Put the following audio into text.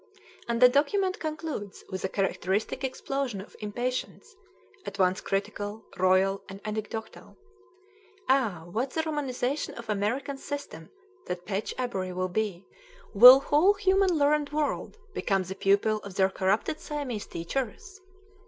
And the document concludes with a characteristic explosion of impatience, at once critical, royal, and anecdotal: "Ah! what the Romanization of American system that P'etch' abury will be! Will whole human learned world become the pupil of their corrupted Siamese teachers?